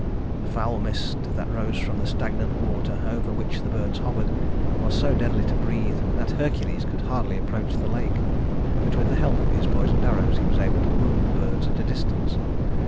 The foul mist that rose from the stagnant water over which the birds hovered was so deadly to breathe that Hercules could hardly approach the lake; but with the help of his poisoned arrows he was able to wound the birds at a distance.